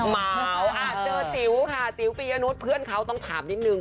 เมาเจอติ๋วค่ะติ๋วปียนุษย์เพื่อนเขาต้องถามนิดนึง